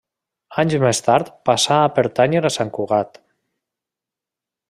Anys més tard passà a pertànyer a Sant Cugat.